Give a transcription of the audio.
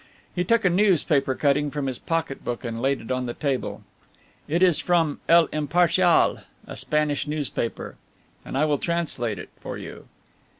He took a newspaper cutting from his pocket book and laid it on the table. "It is from El Impartial, a Spanish newspaper, and I will translate it for you.